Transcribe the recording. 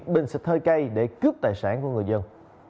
bình sạch thơi cây để cướp tài sản của người dân